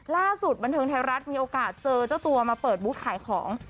ล่าสุดบันเทิงไทยรัฐมีโอกาสเจอเจ้าตัวมาเปิดบูธขายของ